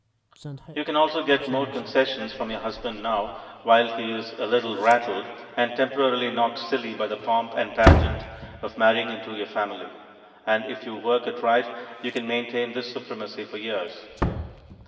You can also get more concessions from your husband now, while he is a little rattled, and temporarily knocked silly by the pomp and pageant of marrying into your family, and if you work it right you can maintain this supremacy for years.